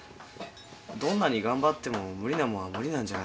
どんなに頑張っても無理なもんは無理なんじゃないかな。